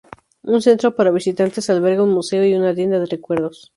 Un centro para visitantes alberga un museo y una tienda de recuerdos.